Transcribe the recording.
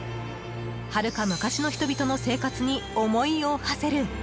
はるか昔の人々の生活に思いをはせる。